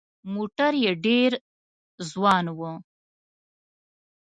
موټر یې ډېر ځوان و.